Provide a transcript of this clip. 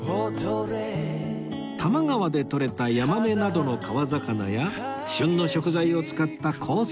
多摩川でとれた山女魚などの川魚や旬の食材を使ったコース